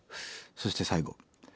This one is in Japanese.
そして最後。